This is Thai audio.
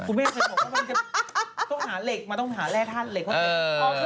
พ่อแม่เคยบอกว่าต้องหาเหล็กมันต้องหาแร่ธาตุเหล็กของเหล็ก